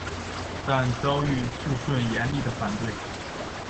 但遭遇肃顺严厉的反对。